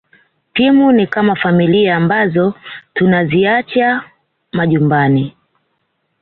Timu ni kama familia ambazo tunaziacha majumbani